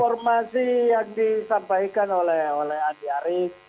informasi yang disampaikan oleh andi arief